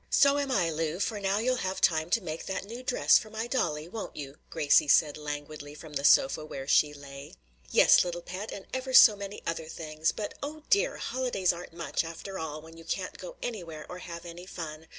"So am I, Lu, for now you'll have time to make that new dress for my dollie, won't you?" Gracie said languidly, from the sofa where she lay. "Yes, little pet, and ever so many other things. But oh dear! holidays aren't much after all when you can't go anywhere or have any fun.